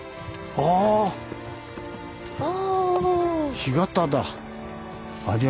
ああ。